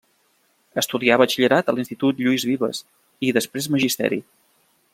Estudià batxiller a l’Institut Lluís Vives i després Magisteri.